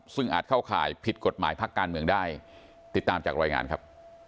ซึ่งอาจเข้าข่ายผิดกฎหมายพักการเมืองได้ติดตามจากรายงานครับ